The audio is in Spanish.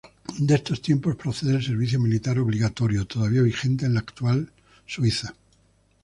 De estos tiempos procede el servicio militar obligatorio, todavía vigente en la Suiza actual.